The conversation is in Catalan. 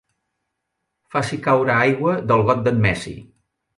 Faci caure aigua del got d'en Messi.